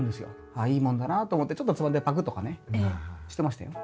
ああいいもんだなと思ってちょっとつまんでパクッとかねしてましたよ。